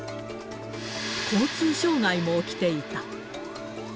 交通障害も起きていた。